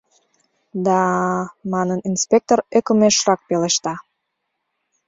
— Да-а, — манын, инспектор ӧкымешрак пелешта...